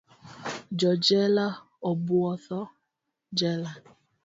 Jo jela obwotho jela.